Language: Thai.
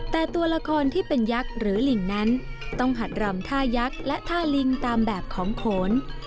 แต่ตัวละครที่เป็นยักษ์หรือลิงนั้นต้องหัดรำท่ายักษ์และท่าลิงตามแบบของโขน